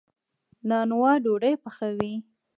نانوا ډوډۍ پخوي.